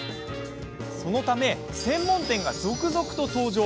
そのため専門店が続々と登場。